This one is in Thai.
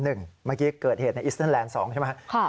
เมื่อกี้เกิดเหตุในอิสเตอร์แลนด์๒ใช่ไหม